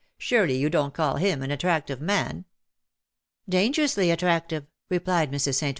" Sureljr you don't call him an attractive man." '^Dangerously attractive," replied Mrs. St.